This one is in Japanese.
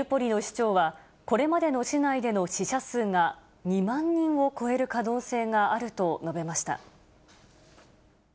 これまでの市内での死者数が２万人を超える可能性があると述べました。